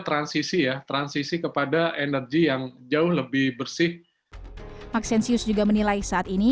transisi ya transisi kepada energi yang jauh lebih bersih maxensius juga menilai saat ini